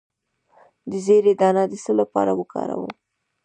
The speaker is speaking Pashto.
د زیرې دانه د څه لپاره وکاروم؟